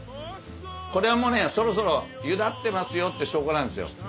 これはもうねそろそろゆだってますよって証拠なんですよ。